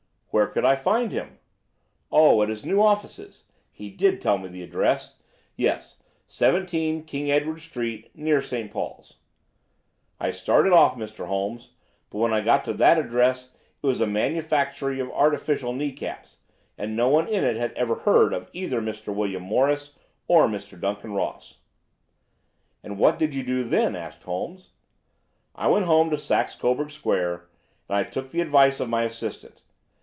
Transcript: "'Where could I find him?' "'Oh, at his new offices. He did tell me the address. Yes, 17 King Edward Street, near St. Paul's.' "I started off, Mr. Holmes, but when I got to that address it was a manufactory of artificial knee caps, and no one in it had ever heard of either Mr. William Morris or Mr. Duncan Ross." "And what did you do then?" asked Holmes. "I went home to Saxe Coburg Square, and I took the advice of my assistant.